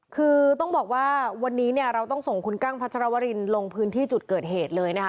คือต้องบอกว่าวันนี้เนี่ยเราต้องส่งคุณกั้งพัชรวรินลงพื้นที่จุดเกิดเหตุเลยนะคะ